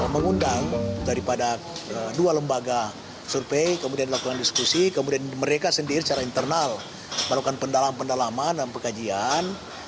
mengundang daripada dua lembaga survei kemudian dilakukan diskusi kemudian mereka sendiri secara internal melakukan pendalaman pendalaman dan pekajian